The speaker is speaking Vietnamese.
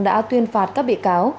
đã tuyên phạt các bị cáo